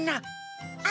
あ！